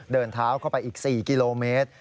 เดินเท้าเข้าไปอีก๔กิโลเมตร